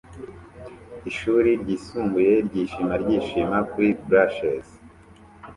Ishuri ryisumbuye ryishima ryishima kuri blachers